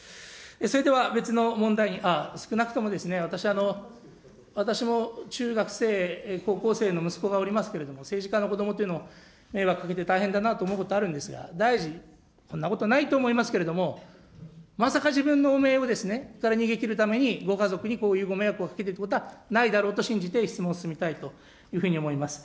それでは別の問題に、少なくとも私、私も中学生、高校生の息子がおりますけれども、政治家の子どもというのは、迷惑かけて大変だなと思うことあるんですが、大臣、そんなことないと思いますけれども、まさか自分の汚名から逃げ切るためにご家族にこういうご迷惑をかけているということはないだろうと信じて質問進みたいと思います。